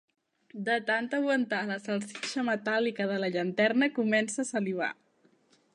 De tant aguantar la salsitxa metàl·lica de la llanterna comença a salivar.